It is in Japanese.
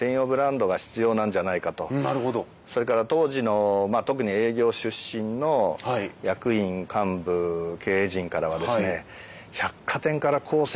それから当時の特に営業出身の役員幹部経営陣からはですね